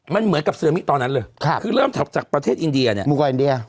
มันเหมือนกับซึนามิตอนนั้นเลยคือเริ่มจากประเทศอินเดีย